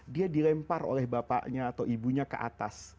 dia dilempar oleh bapaknya atau ibunya ke atas